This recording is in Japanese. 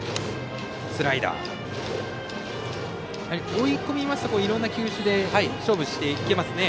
追い込みますといろんな球種で勝負していけますね。